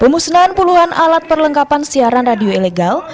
pemusnahan puluhan alat perlengkapan siaran radio ilegal